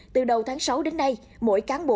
từ đầu tháng sáu đến nay mỗi cán bộ công chức